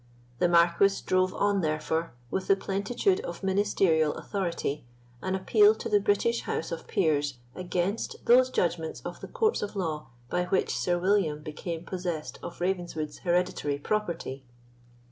The Marquis drove on, therefore, with the plentitude of ministerial authority, an appeal to the British House of Peers against those judgments of the courts of law by which Sir William became possessed of Ravenswood's hereditary property.